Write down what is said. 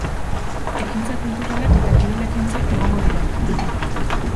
Ekintza kulturalak eta kirol ekintzak egongo dira.